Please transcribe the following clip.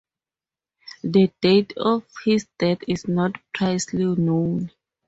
The date of his death is not precisely known.